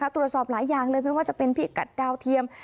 ตรวจสอบหลายอย่างเลยไม่ว่าจะเป็นพิกัดดาวเทียม